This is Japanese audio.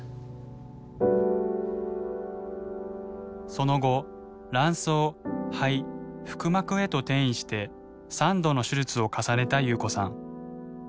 その後卵巣肺腹膜へと転移して３度の手術を重ねた夕子さん。